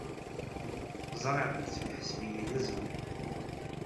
Ẓriɣ netta yeḥseb-iyi d azulal.